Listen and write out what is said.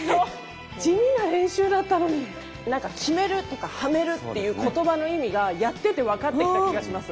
地味な練習だったのに何か極めるとかはめるっていう言葉の意味がやってて分かってきた気がします。